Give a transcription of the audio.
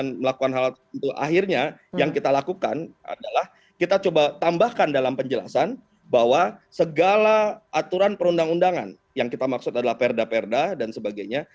nah untuk akhirnya yang kita lakukan adalah kita coba tambahkan dalam penjelasan bahwa segala aturan perundang undangan yang kita maksud adalah perda perda dan sebagainya